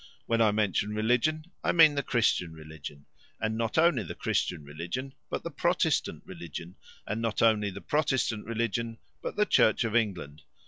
When I mention religion, I mean the Christian religion; and not only the Christian religion, but the Protestant religion; and not only the Protestant religion, but the Church of England.